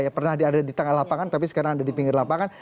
pernah ada di tengah lapangan tapi sekarang ada di pinggir lapangan